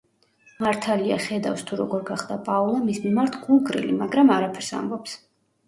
მართალია, ხედავს, თუ როგორ გახდა პაოლა მის მიმართ გულგრილი, მაგრამ არაფერს ამბობს.